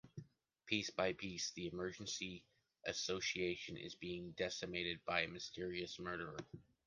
Piece by piece, the emergency association is being decimated by a mysterious murderer.